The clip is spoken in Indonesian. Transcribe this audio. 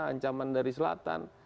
ancaman dari selatan